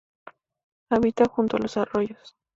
Habita junto a los arroyos.